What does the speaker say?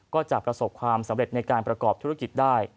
ก็จะประสบความสำเร็จในการประกอบธุรกิจได้